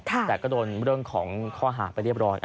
แต่ก็โดนเรื่องของข้อหาไปเรียบร้อย